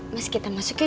mas kita masuk ya